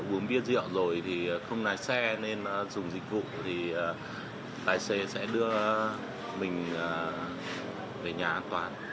uống bia rượu rồi thì không lái xe nên dùng dịch vụ thì tài xế sẽ đưa mình về nhà an toàn